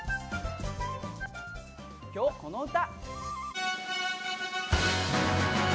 今日はこの歌。